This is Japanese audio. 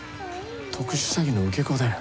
特殊詐欺の受け子だよ。